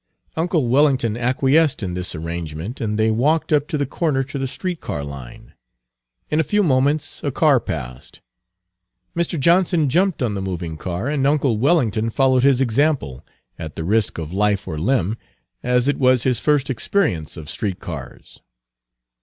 Uncle Wellington acquiesced in this arrangement, and they walked up to the corner to the street car line. In a few moments a car passed. Mr. Johnson jumped on the Page 232 moving car, and uncle Wellington followed his example, at the risk of life or limb, as it was his first experience of street cars.